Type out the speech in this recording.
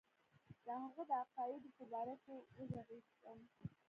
د هغه د عقایدو په باره کې وږغېږم.